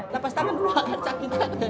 lapas tangan dulu sakit